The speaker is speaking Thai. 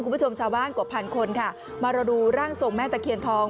คุณผู้ชมชาวบ้านกว่าพันคนค่ะมารอดูร่างทรงแม่ตะเคียนทอง